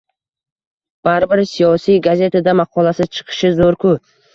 Baribir, siyosiy gazetada maqolasi chiqishi zo`r-ku